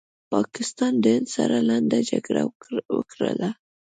پاکستان د هند سره لنډه جګړه وکړله